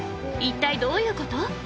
一体どういうこと？